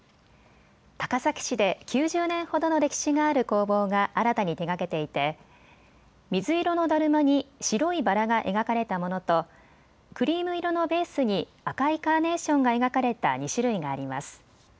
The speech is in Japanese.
高崎市で９０年ほどの歴史がある工房が新たに手がけていて水色のだるまに白いバラが描かれたものとクリーム色のベースに赤いカーネーションが描かれた２種類があります。